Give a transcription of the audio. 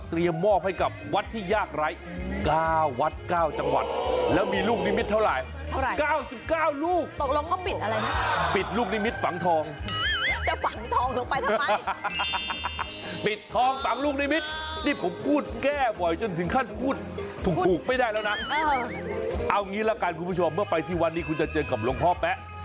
เอาอย่างนี้คุณผู้ชมเมื่อไปที่วันนี้คุณจะเจอกับหลวงพ่อแป๊ะ